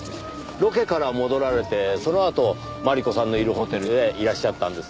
ロケから戻られてそのあと万里子さんのいるホテルへいらっしゃったんですねぇ。